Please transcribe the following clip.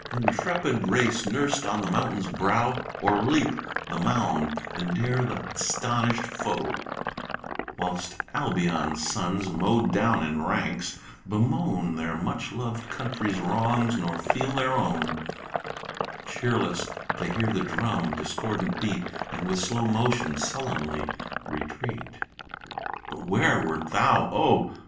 Th' intrepid race nursed on the mountain's brow O'er leap the mound, and dare th' astonish'd foe; Whilst Albion's sons (mow'd down in ranks) bemoan Their much lov'd country's wrongs nor feel their own; Cheerless they hear the drum discordant beat And with slow motion sullenly retreat. But where wert thou, oh!